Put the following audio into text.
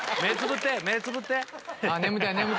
目つぶって！